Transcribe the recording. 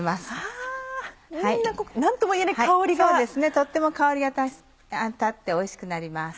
とっても香りが立っておいしくなります。